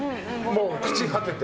もう朽ち果てて。